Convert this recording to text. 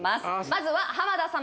まずは浜田様